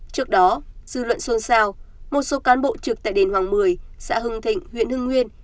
trước đó dư luận xuân sao một số cán bộ trực tại đền hoàng một mươi xã hưng thịnh huyện hưng nguyên